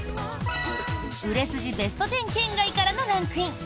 売れ筋ベスト１０圏外からのランクイン。